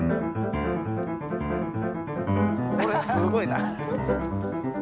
これすごいな。